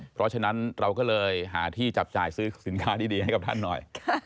เพราะฉะนั้นเราก็เลยหาที่จับจ่ายซื้อสินค้าดีให้กับท่านหน่อย